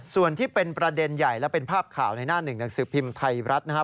ส่วนที่เป็นประเด็นใหญ่และเป็นภาพข่าวในหน้าหนึ่งหนังสือพิมพ์ไทยรัฐนะครับ